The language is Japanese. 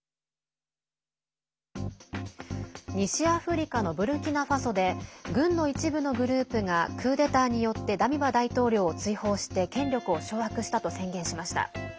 西アフリカのブルキナファソで軍の一部のグループがクーデターによってダミパ大統領を追放して権力を掌握したと宣言しました。